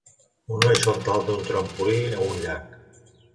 Un noi saltant d'un trampolí a un llac.